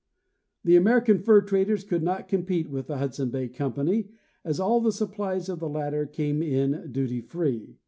The American fur traders could not compete with the Hudson Bay company, as all the supplies of the latter came in free of duty.